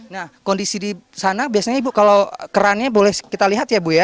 nah kondisi di sana biasanya ibu kalau kerannya boleh kita lihat ya bu ya